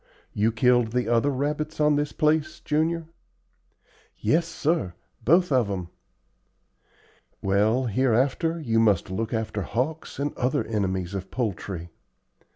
You killed the other rabbits on this place, Junior?" "Yes, sir, both of 'em." "Well, hereafter you must look after hawks, and other enemies of poultry.